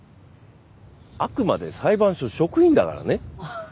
あくまで裁判所職員だからね。